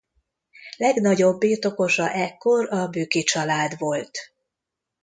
Legnagyobb birtokosa ekkor a Büki család volt.